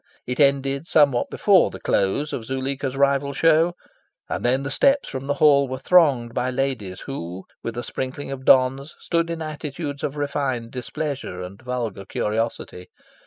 It ended somewhat before the close of Zuleika's rival show; and then the steps from the Hall were thronged by ladies, who, with a sprinkling of dons, stood in attitudes of refined displeasure and vulgar curiosity.